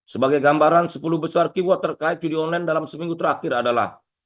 sebagai gambaran sepuluh besar keyword terkait judi online dalam seminggu terakhir adalah